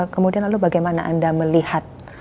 kemudian lalu bagaimana anda melihat